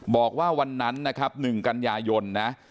บอกว่าวันนั้นนะครับ๑กันยายนนะ